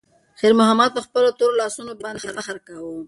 خیر محمد په خپلو تورو لاسونو باندې فخر کاوه.